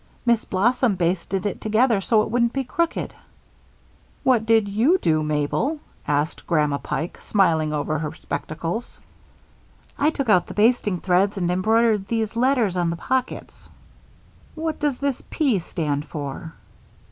Miss Blossom basted it together so it wouldn't be crooked." "What did you do, Mabel?" asked Grandma Pike, smiling over her spectacles. "I took out the basting threads and embroidered these letters on the pockets." "What does this 'P' stand for?"